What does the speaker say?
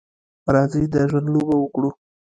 راځئ د ژوند لوبه وکړو.